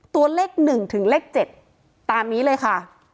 ตัวเลขหนึ่งถึงเลขเจ็ดตามนี้เลยค่ะ